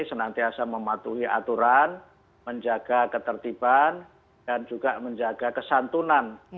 senantiasa mematuhi aturan menjaga ketertiban dan juga menjaga kesantunan